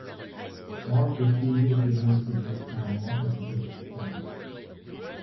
More prestigious universities have more difficult exams.